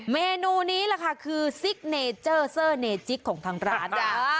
เมนูนี้คือซิกเนเจอเซอร์เนจิ๊กของทางร้าน